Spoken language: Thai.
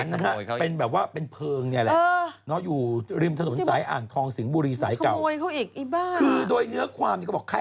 ร้านขายนี่แหละหาเป็นแบบว่าเป็นพลนี่แหละอยู่ริมสนุนสายอ่างทองสิงบูรีสายเก่า